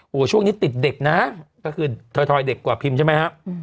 โอ้โหช่วงนี้ติดเด็กนะก็คือถอยเด็กกว่าพิมพ์ใช่ไหมฮะ